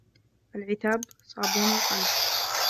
العتاب صابون القلب